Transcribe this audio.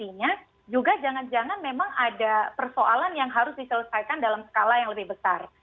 di daerah daerah birokrasinya juga jangan jangan memang ada persoalan yang harus diselesaikan dalam skala yang lebih besar